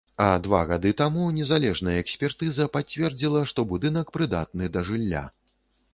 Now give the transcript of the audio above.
А два гады таму незалежная экспертыза пацвердзіла, што будынак прыдатны да жылля.